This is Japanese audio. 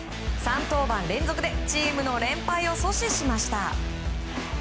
３登板連続でチームの連敗を阻止しました。